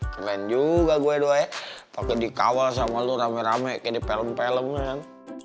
keren juga gue doa ya pake di kawal sama lo rame rame kayak di film film kan